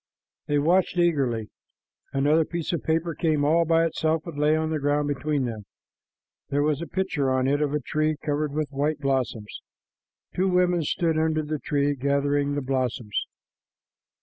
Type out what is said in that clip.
They watched eagerly. Another piece of paper came all by itself and lay on the ground between them. There was a picture on it of a tree covered with white blossoms. Two women stood under the tree, gathering the blossoms.